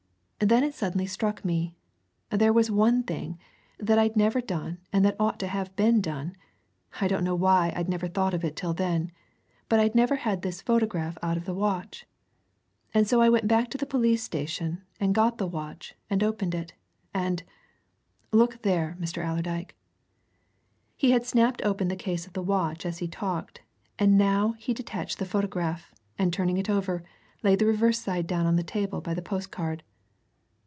Then it suddenly struck me there was one thing that I'd never done and that ought to have been done I don't know why I'd never thought of it till then but I'd never had this photograph out of the watch. And so I went back to the police station and got the watch and opened it, and look there, Mr. Allerdyke!" He had snapped open the case of the watch as he talked, and he now detached the photograph and turning it over, laid the reverse side down on the table by the postcard.